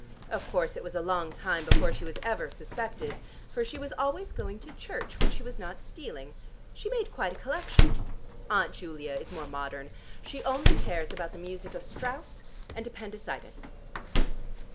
Of course it was a long time before she was ever suspected, for she was always going to church when she was not stealing; she made quite a collection. Aunt Julia is more modern: she only cares about the music of Strauss and appendicitis."